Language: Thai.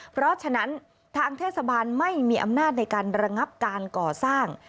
เพราะฉะนั้นทางเทศบาลไม่มีอำนาจในการระงับการก่อสร้าง